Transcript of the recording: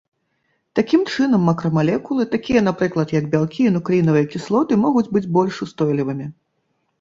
Такім чынам, макрамалекулы, такія, напрыклад, як бялкі і нуклеінавыя кіслоты, могуць быць больш устойлівымі.